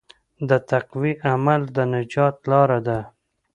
د تقوی عمل د نجات لاره ده.